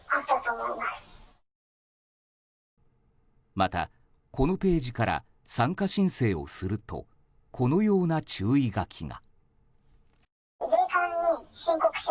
また、このページから参加申請をするとこのような注意書きが。